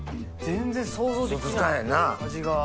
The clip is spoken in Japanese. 全然想像できない味が。